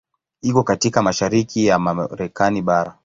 Iko katika mashariki ya Marekani bara.